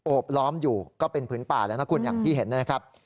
บล้อมอยู่ก็เป็นผืนป่าแล้วนะคุณอย่างที่เห็นนะครับ